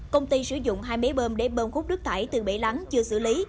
công ty sử dụng hai máy bơm để bơm khúc nước thải từ bể lắng chưa xử lý